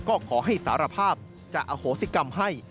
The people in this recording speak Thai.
ก็ขอให้สารภาพจะอโหสิกรรมให้